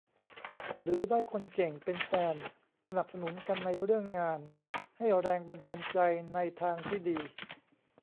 หรือได้คนเก่งเป็นแฟน สนับสนุนกันในเรื่องงาน ให้แรงบันดาลใจในทางที่ดี